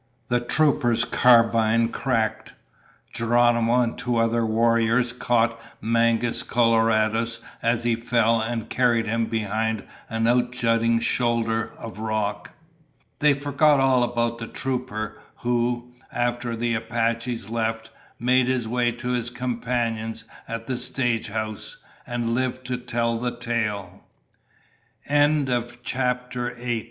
The trooper's carbine cracked. Geronimo and two other warriors caught Mangus Coloradus as he fell and carried him behind an outjutting shoulder of rock. They forgot all about the trooper who, after the Apaches left, made his way to his companions at the stag